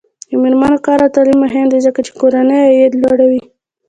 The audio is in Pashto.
د میرمنو کار او تعلیم مهم دی ځکه چې کورنۍ عاید لوړوي.